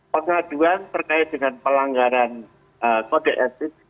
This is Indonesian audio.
pada jualan terkait dengan pelanggaran kode asn